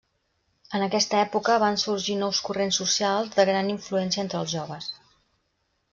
En aquesta època van sorgir nous corrents socials de gran influència entre els joves.